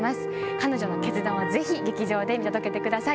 彼女の決断をぜひ劇場で見届けてください